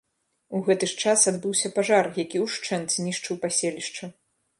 У гэты ж час адбыўся пажар, які ўшчэнт знішчыў паселішча.